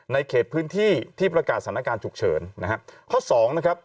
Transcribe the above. ในเขตพื้นที่ที่ประกาศสถานการณ์ฉุกเฉิน